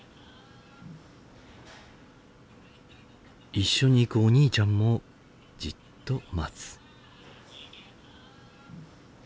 一緒に行くお兄ちゃんもじっと待つ。